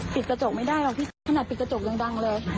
ปิดกระจกไม่ได้หรอกพี่ขนาดปิดกระจกยังดังเลย